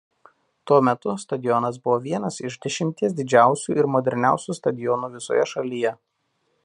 Tuo metu stadionas buvo vienas iš dešimties didžiausių ir moderniausių stadionų visoje šalyje.